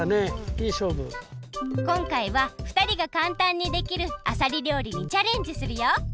こんかいはふたりがかんたんにできるあさり料理にチャレンジするよ！